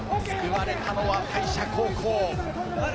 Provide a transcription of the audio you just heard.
救われたのは大社高校。